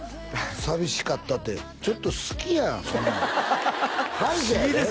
「寂しかった」ってちょっと好きやんそんなん歯医者やで？